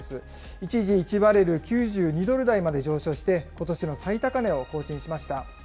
一時１バレル９２ドル台まで上昇して、ことしの最高値を更新しました。